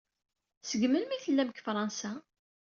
Seg melmi i tellam deg Fransa?